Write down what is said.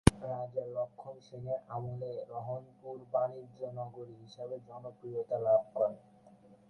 রাজা লক্ষন সেনের আমলে রহনপুর বাণিজ্য নগরী হিসেবে জনপ্রিয়তা লাভ করে।